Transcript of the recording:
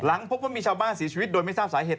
หลังพวกมันมีชาวบ้านศรีชวิตโดยไม่ทราบสายเหตุ